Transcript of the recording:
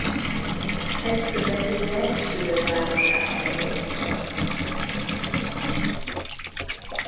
Ezt követően szülővárosában dolgozott.